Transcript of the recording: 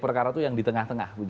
perkara itu yang di tengah tengah